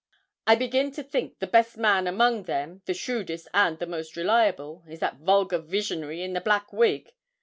I begin to think the best man among them, the shrewdest and the most reliable, is that vulgar visionary in the black wig.